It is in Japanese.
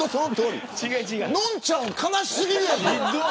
のんちゃん悲しすぎるやん。